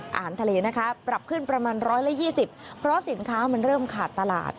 อาหารทะเลนะคะปรับขึ้นประมาณ๑๒๐เพราะสินค้ามันเริ่มขาดตลาด